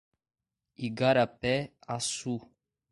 Igarapé-Açu